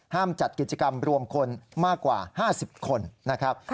จัดกิจกรรมรวมคนมากกว่า๕๐คนนะครับ